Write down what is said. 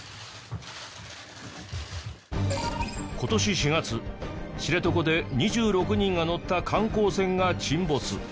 今年４月知床で２６人が乗った観光船が沈没。